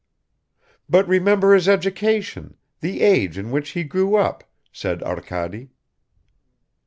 "But remember his education, the age in which he grew up," said Arkady.